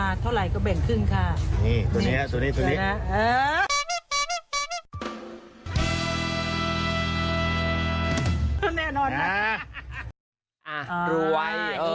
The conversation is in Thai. อ่ารวย